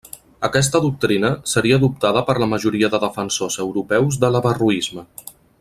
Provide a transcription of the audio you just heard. Aquesta doctrina seria adoptada per la majoria de defensors europeus de l'averroisme.